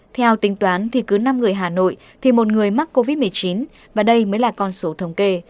theo tính toán thì cứ năm người hà nội thì một người mắc covid một mươi chín và đây mới là con số thống kê